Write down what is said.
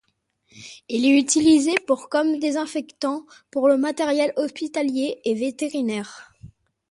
Il est utilisé pour comme désinfectant pour le matériel hospitalier et vétérinaire.